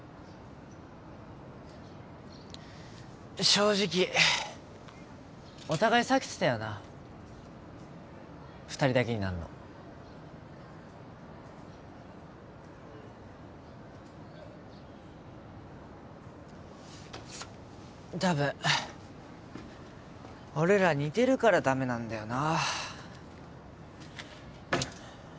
正直お互い避けてたよな２人だけになんの多分俺ら似てるからダメなんだよな